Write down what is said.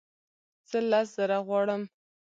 زه لس زره غواړم